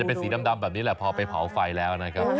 เป็นสีดำแบบนี้แหละพอไปเผาไฟแล้วนะครับ